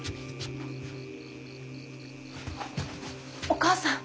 お義母さん